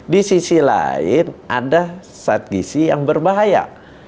di sisi lain ada zat gizi yang berbahaya